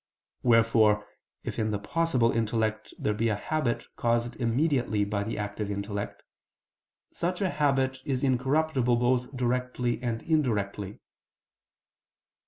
Wherefore if in the "possible" intellect there be a habit caused immediately by the active intellect, such a habit is incorruptible both directly and indirectly.